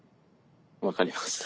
分かりました。